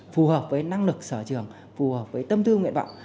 phù hợp với năng lực sở trường phù hợp với tâm tư nguyện vọng